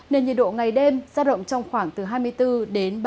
nền nhiệt độ ngày đêm ra động trong khoảng từ hai mươi bốn ba mươi hai độ